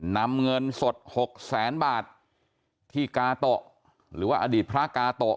นำเงินสดหกแสนบาทที่กาโตะหรือว่าอดีตพระกาโตะ